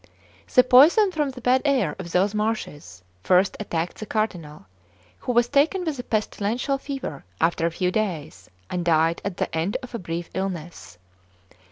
The poison from the bad air of those marshes first attacked the Cardinal, who was taken with a pestilential fever after a few days, and died at the end of a brief illness.